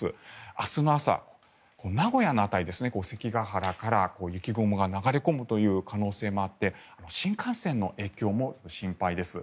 明日の朝、名古屋の辺り関ケ原から雪雲が流れ込むという可能性もあって新幹線の影響も心配です。